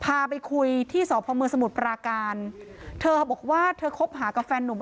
พาไปคุยที่สพมสมุทรปราการเธอบอกว่าเธอคบหากับแฟนหนุ่ม